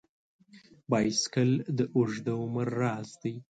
بایسکل د اوږده عمر راز دی.